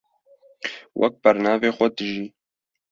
wek bernavê xwe dijî